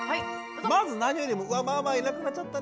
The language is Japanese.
まず何よりも「うわママいなくなっちゃったね